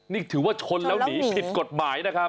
นี่ถือว่าชนแล้วหนีผิดกฎหมายนะครับ